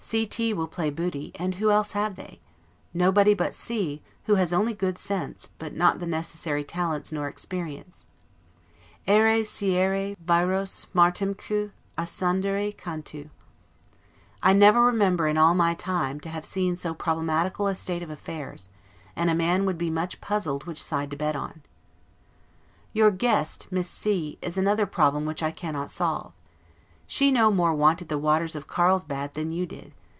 C T will play booty; and who else have they? Nobody but C , who has only good sense, but not the necessary talents nor experience, 'AEre ciere viros martemque accendere cantu'. I never remember, in all my time, to have seen so problematical a state of affairs, and a man would be much puzzled which side to bet on. Your guest, Miss C , is another problem which I cannot solve. She no more wanted the waters of Carlsbadt than you did.